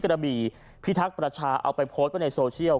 กระบี่พิทักษ์ประชาเอาไปโพสต์ไว้ในโซเชียล